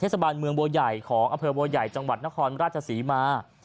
เทศบาลเมืองบัวใหญ่ของอำเภอบัวใหญ่จังหวัดนครราชศรีมา